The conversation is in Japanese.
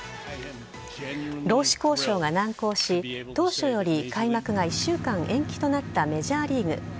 労使交渉が難航し、当初より開幕が１週間延期となったメジャーリーグ。